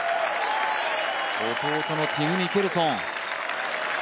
弟のティム・ミケルソン。